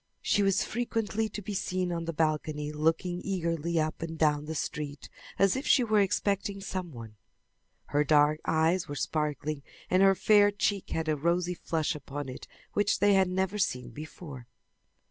She was frequently to be seen on the balcony looking eagerly up and down the street as if she were expecting some one. Her dark eyes were sparkling and her fair cheek had a rosy flush upon it which they had never seen before.